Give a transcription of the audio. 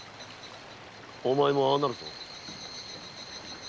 お前もああなるぞ。